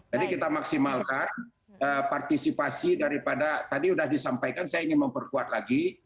jadi kita maksimalkan partisipasi daripada tadi sudah disampaikan saya ingin memperkuat lagi